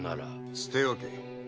捨ておけ。